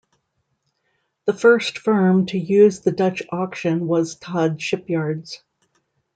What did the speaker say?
The first firm to use the Dutch auction was Todd Shipyards.